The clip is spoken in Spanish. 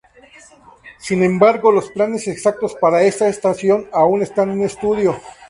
Sin embargo, los planes exactos para esta estación aún están en estudio.